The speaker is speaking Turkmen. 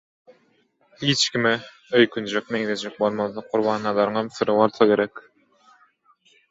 hiç kime öýkünjek, meňzejek bolmazlyk Gurbannazaryňam syry bolsa gerek.